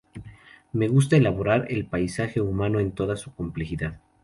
Me gusta elaborar el paisaje humano en toda su complejidad.